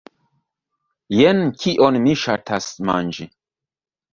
Jen kion ŝi ŝatas manĝi